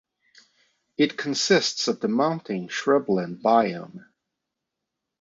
It consists of the montane shrubland Biome.